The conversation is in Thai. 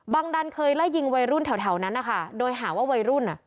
ดันดันเคยไล่ยิงวัยรุ่นแถวนั้นนะคะโดยหาว่าวัยรุ่นอ่ะ